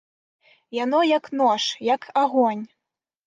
Яно, як нож, як агонь!